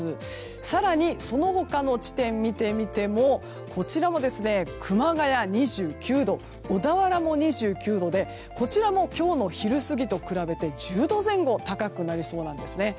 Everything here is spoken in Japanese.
更に、その他の地点を見てみてもこちらも、熊谷２９度小田原も２９度で今日の昼過ぎと比べて１０度前後高くなりそうなんです。